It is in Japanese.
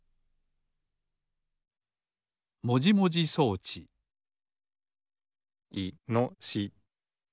もじもじそうちいのし。